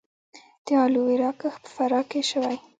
د الوویرا کښت په فراه کې شوی